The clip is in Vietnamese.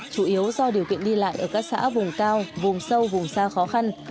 chủ yếu do điều kiện đi lại ở các xã vùng cao vùng sâu vùng xa khó khăn